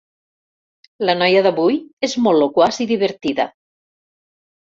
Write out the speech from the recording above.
La noia d'avui és molt loquaç i divertida.